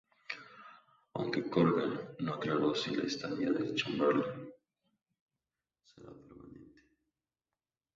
Aunque Corgan no aclaró si la estadía de Chamberlin será permanente.